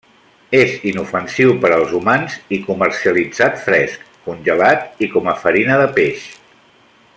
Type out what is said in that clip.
És inofensiu per als humans i comercialitzat fresc, congelat i com a farina de peix.